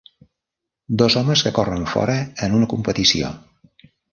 Dos homes que corren fora en una competició.